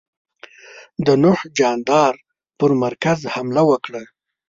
د نوح جاندار پر مرکز حمله وکړه.